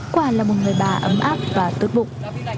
quả là một người bà ấm áp và tốt bụng